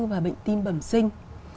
và bệnh tim bẩm sinh